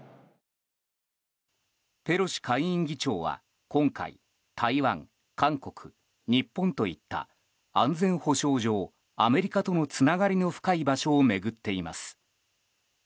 ペロシ下院議長は今回台湾、韓国、日本といった安全保障上、アメリカとのつながりの深い場所を巡っています。